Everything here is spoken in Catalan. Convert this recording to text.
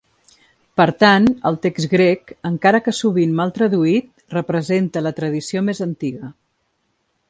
Per tant, el text grec, encara que sovint mal traduït, representa la tradició més antiga.